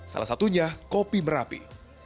salah satunya kopi merapi